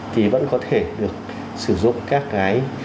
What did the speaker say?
thì vẫn có thể được sử dụng các cái